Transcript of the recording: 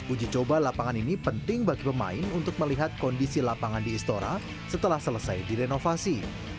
uji coba lapangan ini penting bagi pemain untuk melihat kondisi lapangan di istora setelah selesai direnovasi